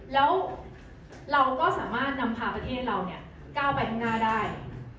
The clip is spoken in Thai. แล้วเราก็สามารถนำพาประเทศเราก้าวไปข้างหน้าได้